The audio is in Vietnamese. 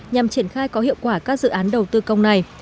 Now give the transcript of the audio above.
nhằm triển khai có hiệu quả các dự án đầu tư công này